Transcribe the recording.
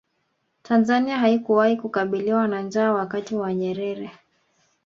tanzania haikuwahi kukabiliwa na njaa wakati wa nyerere